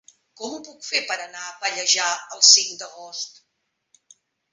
Com ho puc fer per anar a Pallejà el cinc d'agost?